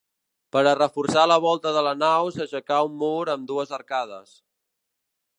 Per a reforçar la volta de la nau s'aixecà un mur amb dues arcades.